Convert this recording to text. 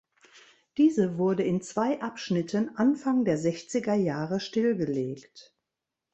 Diese wurde in zwei Abschnitten Anfang der sechziger Jahre stillgelegt.